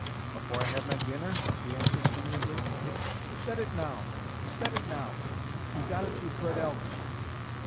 "Afore I have my dinner?" he answered amiably. "Set it now. Set it now. We got it through Fred Alton."